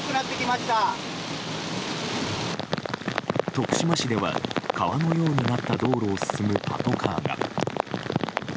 徳島市では、川のようになった道路を進むパトカーが。